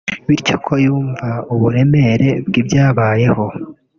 bityo ko yumva uburemere bw’ibyababayeho